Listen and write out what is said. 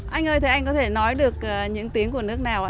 anh ơi thế anh có thể nói được những tiếng của nước nào ạ